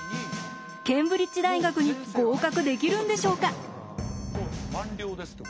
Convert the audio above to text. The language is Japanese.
ケンブリッジ大学に合格できるんでしょうか？